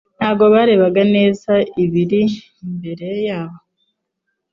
Ntabwo barebaga neza ibiri imbere yabo.